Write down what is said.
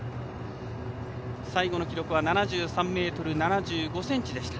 最後の記録は７３ｍ７５ｃｍでした。